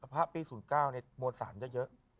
พระปี๐๙มวลสารเยอะ